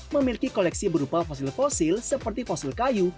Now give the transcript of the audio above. memiliki koleksi berupa fosil fosil seperti fosil kayu